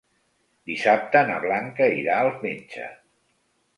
Dissabte na Blanca irà al metge.